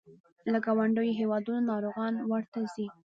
له ګاونډیو هیوادونو ناروغان ورته ځي.